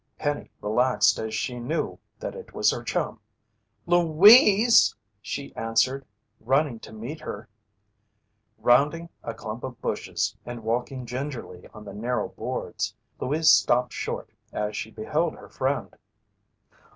Penny relaxed as she knew that it was her chum. "Louise!" she answered, running to meet her. Rounding a clump of bushes, and walking gingerly on the narrow boards, Louise stopped short as she beheld her friend.